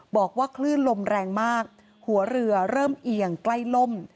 บอกว่าคลื่นลมแรงมากหัวเรือเริ่มเอียงใกล้ล่ม